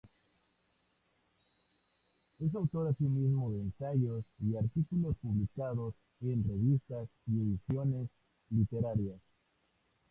Es autor asimismo de ensayos y artículos publicados en revistas y ediciones literarias.